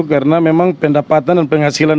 karena memang pendapatan dan penghasilan